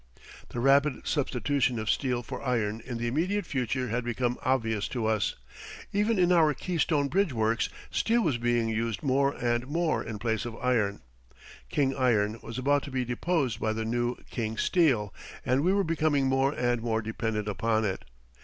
The rapid substitution of steel for iron in the immediate future had become obvious to us. Even in our Keystone Bridge Works, steel was being used more and more in place of iron. King Iron was about to be deposed by the new King Steel, and we were becoming more and more dependent upon it.